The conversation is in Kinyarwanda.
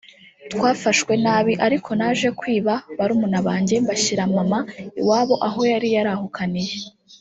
twafashwe nabi ariko naje kwiba barumuna banjye mbashyira mama iwabo aho yari yarahukaniye